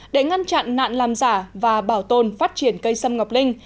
để ngăn chặn nạn làm giả và bảo tồn phát triển cây sâm ngọc linh